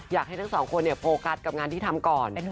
อยากให้ทั้งสองคนโฟกัสกับงานที่ทำก่อน